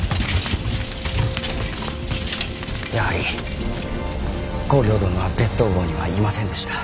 やはり公暁殿は別当房にはいませんでした。